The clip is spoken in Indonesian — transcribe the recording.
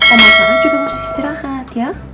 oma sarah juga mesti istirahat ya